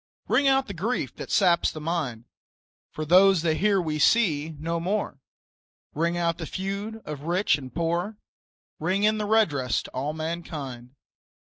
Ring out the grief that saps the mind, For those that here we see no more, Ring out the feud of rich and poor, Ring in redress to all mankind.